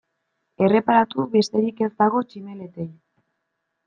Erreparatu besterik ez dago tximeletei.